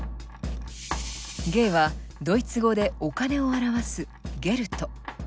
「Ｇ」はドイツ語でお金を表す「Ｇｅｌｄ」。